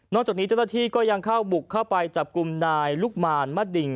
นอกจากนี้เจตเทียก็ยังเบคบุกเข้าไปจากกลุ่มนายลูกมารมาดิง